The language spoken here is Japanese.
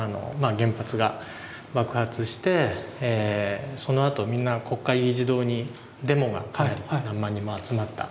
原発が爆発してそのあとみんな国会議事堂にデモがかなり何万人も集まった。